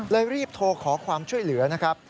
รีบโทรขอความช่วยเหลือนะครับ